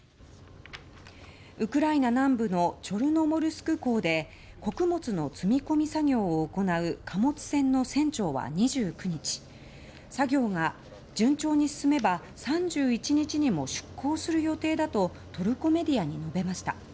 ウクライナ南部のチョルノモルスク港で穀物の積み込み作業を行う貨物船の船長は２９日作業が順調に進めば３１日にも出港する予定だとトルコメディアに述べました。